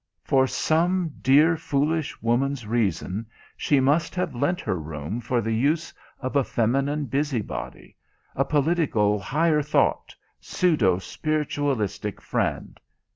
For some dear, foolish woman's reason she must have lent her room for the use of a feminine busy body; a political, higher thought, pseudo spiritualistic friend.